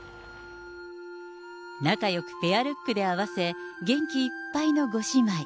仲よくペアルックで合わせ、元気いっぱいのご姉妹。